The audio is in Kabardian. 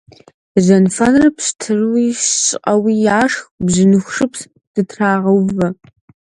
Жьэнфэныр пщтыруи щӀыӀэуи яшх, бжьыныху шыпс дытрагъэувэ.